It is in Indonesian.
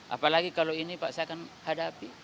apalagi kalau ini pak saya akan hadapi